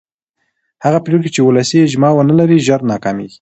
هغه پرېکړې چې ولسي اجماع ونه لري ژر ناکامېږي